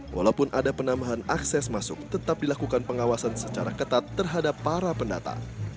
walaupun ada penambahan akses masuk tetap dilakukan pengawasan secara ketat terhadap para pendata